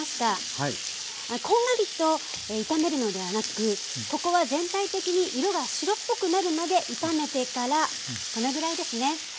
こんがりと炒めるのではなくここは全体的に色が白っぽくなるまで炒めてからこのぐらいですね